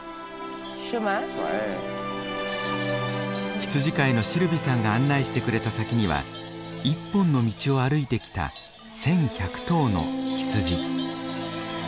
羊飼いのシルヴィさんが案内してくれた先には一本の道を歩いてきた１，１００頭の羊。